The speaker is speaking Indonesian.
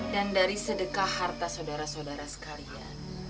dan dari sedekah harta saudara saudara sekalian